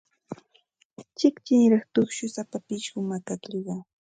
Chiqchiniraq tupshusapa pishqum akaklluqa.